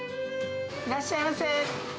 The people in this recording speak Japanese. いらっしゃいませ。